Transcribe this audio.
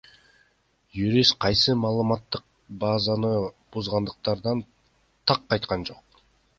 Юрист кайсы маалыматтык базаны бузугандыктарын так айткан жок.